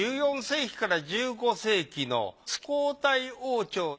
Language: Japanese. １４世紀から１５世紀のスコータイ王朝。